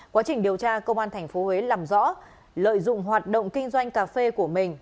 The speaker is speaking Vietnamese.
quá trình điều tra công an tp huế làm rõ lợi dụng hoạt động kinh doanh cà phê của mình